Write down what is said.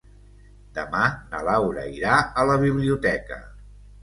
Demà na Laura irà a la biblioteca.